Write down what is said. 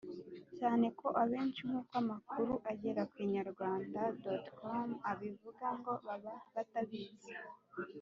cyane ko abenshi nk'uko amakuru agera ku inyarwanda.com abivuga ngo baba batabizi.